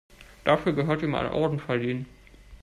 Dafür gehört ihm ein Orden verliehen.